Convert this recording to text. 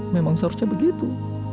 memang seharusnya begitu